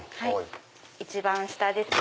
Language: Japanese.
一番下ですね